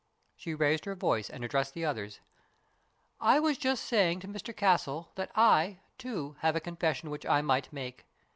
She raised her voice and addressed the others. " I was just saying to Mr Castle that I, too, have a confession which I might make.